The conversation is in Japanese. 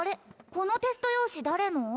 このテスト用紙誰の？